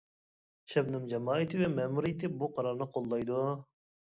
شەبنەم جامائىتى ۋە مەمۇرىيىتى بۇ قارارنى قوللايدۇ.